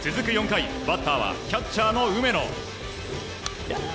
４回バッターはキャッチャーの梅野。